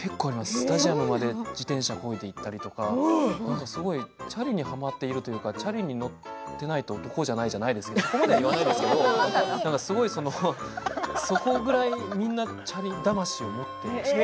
スタジアムまで自転車をこいで行ったりとかチャリにはまっているというかチャリに乗っていないと男じゃないじゃないですけどそこまではいかないですけどそれくらい、みんなチャリ魂を持っていました。